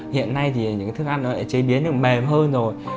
hiện nay thì những cái thức ăn nó đã chế biến được mềm hơn rồi